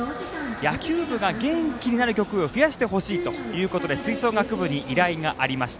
野球部が元気になる曲を増やしてほしいということで吹奏楽部に依頼がありました。